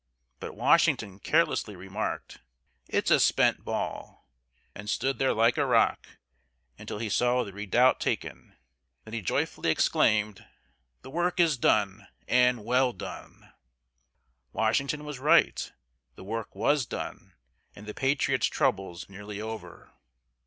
But Washington carelessly remarked, "It's a spent ball," and stood there like a rock until he saw the redoubt taken. Then he joyfully exclaimed: "The work is done, and well done!" Washington was right; the work was done, and the patriots' troubles nearly over.